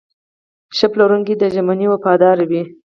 ښه پلورونکی د ژمنې وفادار وي.